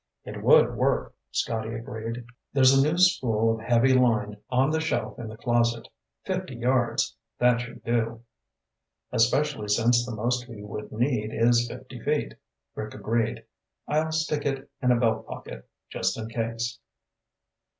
"It would work," Scotty agreed. "There's a new spool of heavy line on the shelf in the closet. Fifty yards. That should do." "Especially since the most we would need is fifty feet," Rick agreed. "I'll stick it in a belt pocket, just in case."